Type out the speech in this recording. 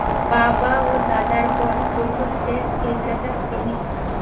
বাবা ও দাদার পর প্রথম টেস্ট ক্রিকেটার তিনি।